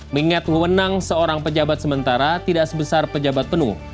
mengingat wewenang seorang pejabat sementara tidak sebesar pejabat penuh